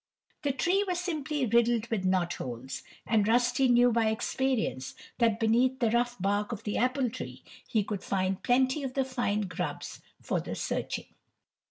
The tree was simply riddled with knot holes, and Rusty knew by experience that beneath the rough bark of the apple tree he could find plenty of fine grubs for the searching.